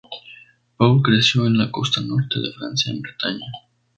Paul creció en la costa norte de Francia, en Bretaña.